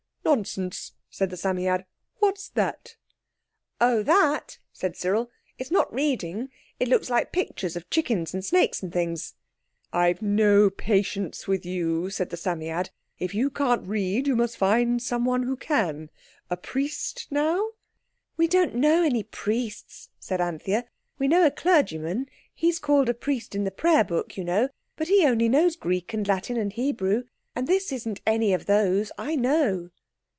"Nonsense," said the Psammead; "what's that?" "Oh, that!" said Cyril, "it's not reading. It looks like pictures of chickens and snakes and things." This was what was on the charm: "I've no patience with you," said the Psammead; "if you can't read you must find some one who can. A priest now?" "We don't know any priests," said Anthea; "we know a clergyman—he's called a priest in the prayer book, you know—but he only knows Greek and Latin and Hebrew, and this isn't any of those—I know."